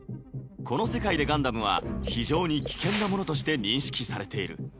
この世界でガンダムは非常に危険なものとして認識されている。